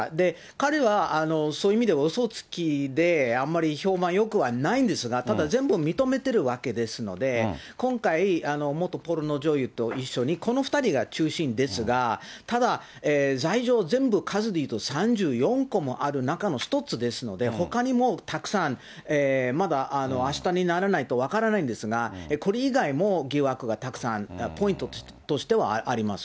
彼はそういう意味でうそつきで、あんまり評判よくはないんですが、ただ、全部認めてるわけですので、今回、元ポルノ女優と一緒に、この２人が中心ですが、ただ、罪状、全部数でいうと３４個もある中の１つですので、ほかにもたくさんまだあしたにならないと分からないんですが、これ以外にも疑惑がたくさん、ポイントとしてはあります。